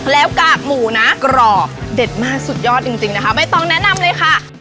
แล้วกากหมูนะกรอบเด็ดมากสุดยอดจริงนะคะใบตองแนะนำเลยค่ะ